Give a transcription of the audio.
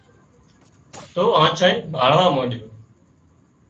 تو آنڇانئي ڀاۯوا مانڏيو